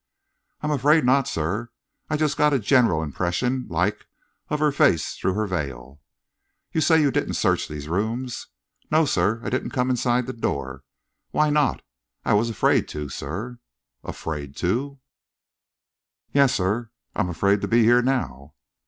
"I'm afraid not, sir. I just got a general impression, like, of her face through her veil." "You say you didn't search these rooms?" "No, sir, I didn't come inside the door." "Why not?" "I was afraid to, sir." "Afraid to?" "Yes, sir; I'm afraid to be here now."